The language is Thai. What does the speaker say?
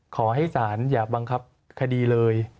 ขอให้ศาลอย่าบังคับคดีเลย